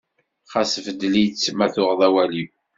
Xas beddel-itt ma tuɣeḍ awal-iw.